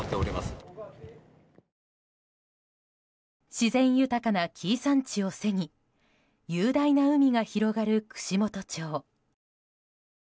自然豊かな紀伊山地を背に雄大な海が広がる串本町。